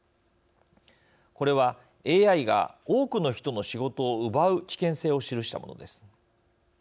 これは、ＡＩが多くの人の仕事を奪う危険性を記したものです。